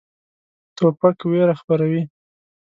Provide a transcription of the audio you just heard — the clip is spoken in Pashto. توپک ویره خپروي.